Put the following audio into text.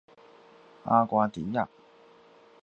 阿瓜迪亚。